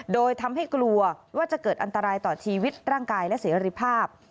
โดยทำให้กลัวว่าจะเกิดอันตรายต่อชีวิตร่างกายและเสรีภาพ